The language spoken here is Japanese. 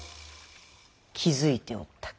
気付いておったか。